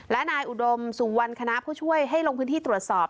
และนายอุดมสุวรรณคณะผู้ช่วยให้ลงพื้นที่ตรวจสอบ